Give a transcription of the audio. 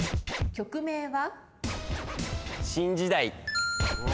曲名は？